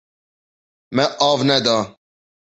Me av neda.